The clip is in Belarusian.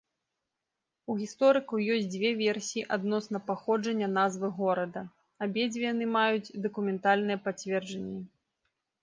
У гісторыкаў ёсць дзве версіі адносна паходжання назвы горада, абедзве яны маюць дакументальныя пацверджанні.